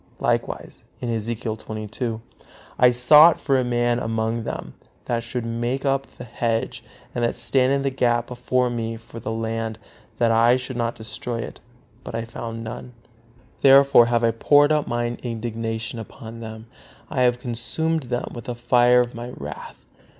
Likewise, Ezekiel xxii: "I sought for a man among them, that should make up the hedge, and stand in the gap before me for the land, that I should not destroy it; but I found none. Therefore have I poured out Mine indignation upon them; I have consumed them with the fire of My wrath."